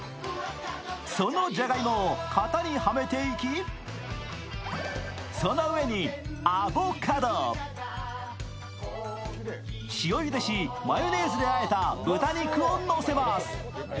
そのじゃがいもを型にはめていきその上にアボカド塩ゆでし、マヨネーズであえた豚肉をのせます。